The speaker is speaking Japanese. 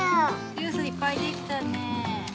ジュースいっぱいできたねえ。